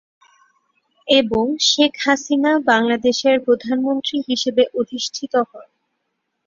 এবং শেখ হাসিনা বাংলাদেশের প্রধানমন্ত্রী হিসেবে অধিষ্ঠিত হন।